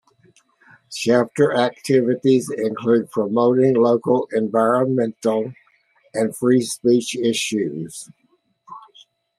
Chapter activities include promoting local environmental and free speech issues.